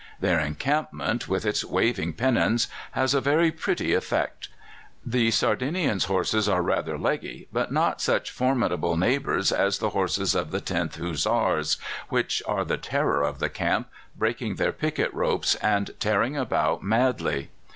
Their encampment, with its waving pennons, has a very pretty effect. The Sardinians' horses are rather leggy, but not such formidable neighbours as the horses of the 10th Hussars, which are the terror of the camp, breaking their picket ropes and tearing about madly.